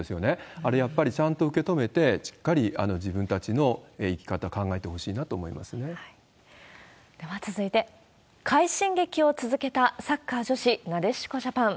あれやっぱりちゃんと受け止めて、しっかり自分たちの生き方、では続いて、快進撃を続けたサッカー女子なでしこジャパン。